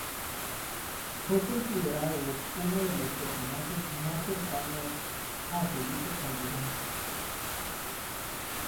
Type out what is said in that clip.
Fue considerado uno de los personajes más cercanos a Felipe Calderón.